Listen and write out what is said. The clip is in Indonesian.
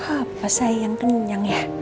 apa sayang kenyang ya